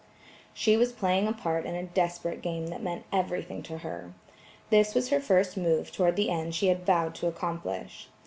She was playing a part in a desperate game that meant everything to her. This was her first move toward the end she had vowed to accomplish.